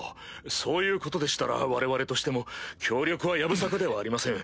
そういうことでしたら我々としても協力はやぶさかではありません。